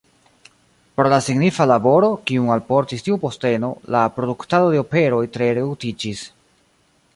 Pro la signifa laboro, kiun alportis tiu posteno, la produktado de operoj tre reduktiĝis.